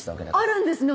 あるんですね